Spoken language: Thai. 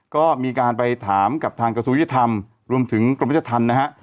ก็มีการไปถามกับทางกสุอิธรรมรวมถึงกรมจันทร์นะฮะ